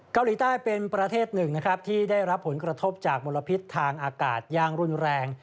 เกาหลีใต้เป็นประเทศหนึ่งนะครับที่ได้รับผลกระทบจากมลพิษทางอากาศอย่างรุนแรง